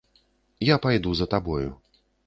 Я пайду за табою.